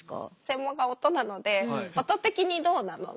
専門が音なので「音的にどうなの？」